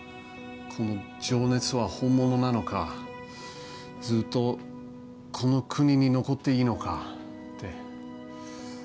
この情熱は本物なのかずっとこの国に残っていいのかって。